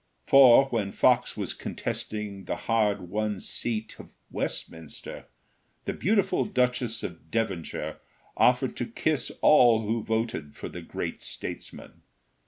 For, when Fox was contesting the hard won seat at Westminster, the beautiful Duchess of Devonshire offered to kiss all who voted for the great statesman.